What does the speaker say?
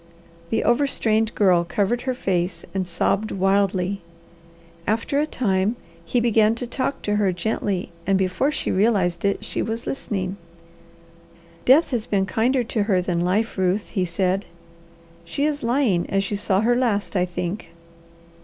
The overstrained Girl covered her face and sobbed wildly. After a time he began to talk to her gently, and before she realized it, she was listening. "Death has been kinder to her than life, Ruth," he said. "She is lying as you saw her last, I think.